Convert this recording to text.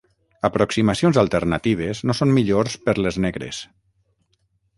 Aproximacions alternatives no són millors per les negres.